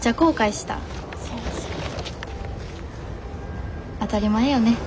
当たり前よね。